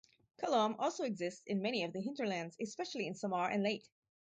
Kulam also exists in many of the hinterlands, especially in Samar and Leyte.